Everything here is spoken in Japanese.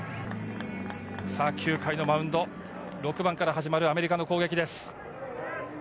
９回のマウンド、６番から始まるアメリカの攻撃です。